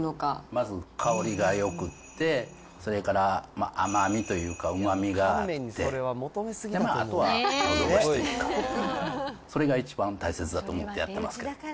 まず香りがよくって、それから甘みというか、うまみがあって、あとはのど越しというか、それが一番大切だと思ってやってますけど。